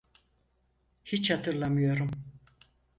Hiç hatırlamıyorum.